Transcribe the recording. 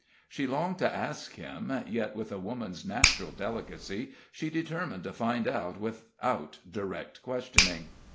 She longed to ask him, yet, with a woman's natural delicacy, she determined to find out without direct questioning.